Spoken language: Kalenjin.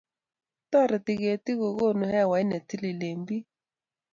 Toreti kertii kokonuu hewait ne tilil eng biik.